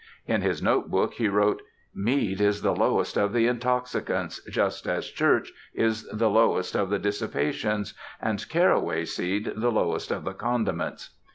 In his notebook he wrote: "Mead is the lowest of the intoxicants, just as Church is the lowest of the dissipations, and carraway seed the lowest of the condiments."